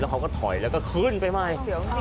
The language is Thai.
เขาก็ถอยแล้วก็ขึ้นไปใหม่